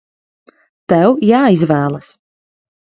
Tev jāizvēlas!